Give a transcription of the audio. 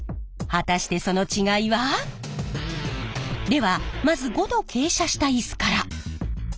果たしてその違いは？ではまず５度傾斜したイスから。